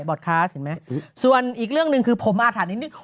บอร์ดคาร์สเห็นไหมส่วนอีกเรื่องหนึ่งคือผมอาจถัดนิดนึง